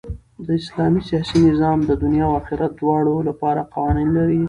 د اسلام سیاسي نظام د دؤنيا او آخرت دواړو له پاره قوانين لري.